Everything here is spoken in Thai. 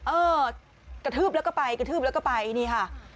เออกระทืบแล้วก็ไปกระทืบแล้วก็ไปนี่ค่ะ